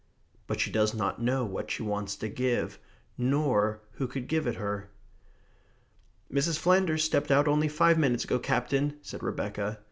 But she does not know what she wants to give, nor who could give it her. "Mrs. Flanders stepped out only five minutes ago, Captain," said Rebecca.